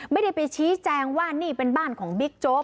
ไม่ได้ไปชี้แจงว่านี่เป็นบ้านของบิ๊กโจ๊ก